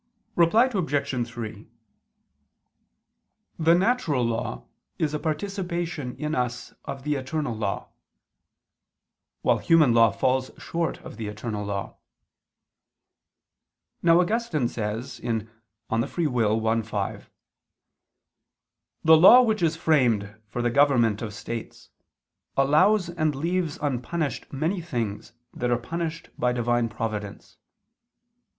Reply Obj. 3: The natural law is a participation in us of the eternal law: while human law falls short of the eternal law. Now Augustine says (De Lib. Arb. i, 5): "The law which is framed for the government of states, allows and leaves unpunished many things that are punished by Divine providence.